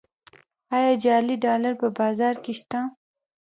آیا جعلي ډالر په بازار کې شته؟